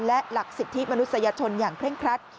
และหลักสิทธิมนุษยชนอย่างเคร่งครัด